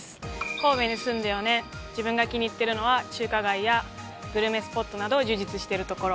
神戸に住んで４年自分が気に入ってるのは中華街やグルメスポットなど充実してるところ。